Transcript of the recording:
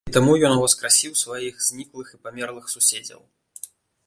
І таму ён уваскрасіў сваіх зніклых і памерлых суседзяў.